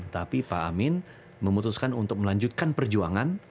tapi pak amin memutuskan untuk melanjutkan perjuangan